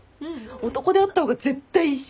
男手あった方が絶対いいし。